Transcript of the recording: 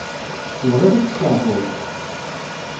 Tebɣiḍ ad testeɛfuḍ?